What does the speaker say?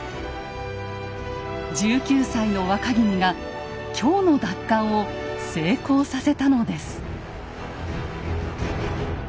１９歳の若君が京の奪還を成功させたのです。